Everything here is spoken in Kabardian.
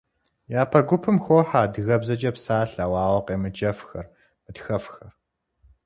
Япэ гупым хохьэ адыгэбзэкӏэ псалъэу, ауэ къемыджэфхэр, мытхэфхэр.